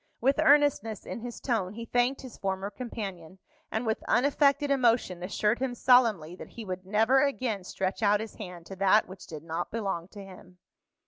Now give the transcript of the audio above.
With earnestness in his tone, he thanked his former companion, and with unaffected emotion assured him solemnly that he would never again stretch out his hand to that which did not belong to him.